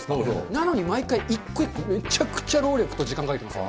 なのに毎回一個一個めちゃくちゃ労力と時間かけてます。